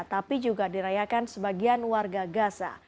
tapi juga dirayakan sebagian warga gaza